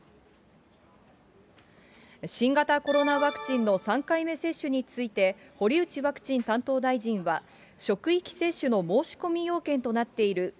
新型コロナワクチンの３回目接種について、堀内ワクチン担当大臣は、職域接種の申し込み要件となっている